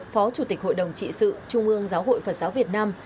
phó chủ tịch hội đồng trị sự trung ương giáo hội phật giáo việt nam